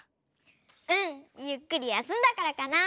うんゆっくりやすんだからかな。